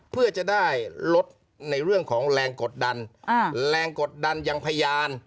เพื่อจะได้ลดในเรื่องของแรงกดดันแรงกดดันยังพยาน